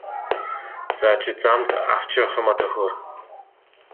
За чи замд авч явах юмаа төхөөр!